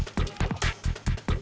selamat siang siapa ya